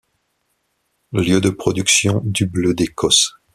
Lieux de production du bleu des Causses.